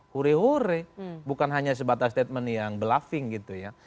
hure hure bukan hanya sebatas statement yang bluffing gitu ya